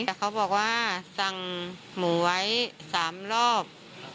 แต่เขาบอกว่าสั่งหมูไว้๓รอบ